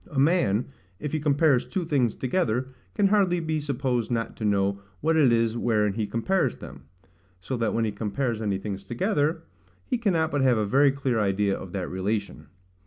A man, if he compares two things together, can hardly be supposed not to know what it is wherein he compares them: so that when he compares any things together, he cannot but have a very clear idea of that relation.